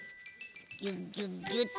ギュギュギュッと。